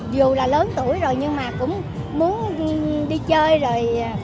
dù là lớn tuổi rồi nhưng mà cũng muốn đi chơi rồi